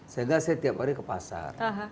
sehingga saya tiap hari ke pasar